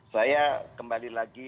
saya kembali lagi